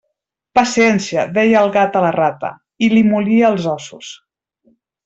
Paciència, deia el gat a la rata, i li molia els ossos.